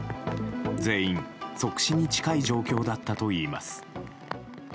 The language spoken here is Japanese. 全員、即死に近い状況だったといいます。